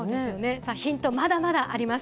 さあ、ヒントまだまだあります。